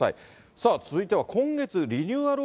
さあ、続いては今月、リニューアル